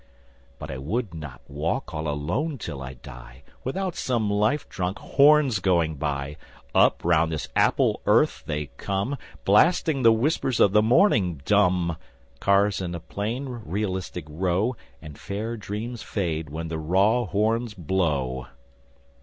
But I would not walk all alone till I die Without some life drunk horns going by. Up round this apple earth they come Blasting the whispers of the morning dumb: Cars in a plain realistic row. And fair dreams fade When the raw horns blow.